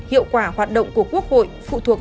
hiệu quả hoạt động của quốc hội phụ thuộc